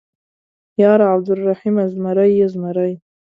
_ياره عبرالرحيمه ، زمری يې زمری.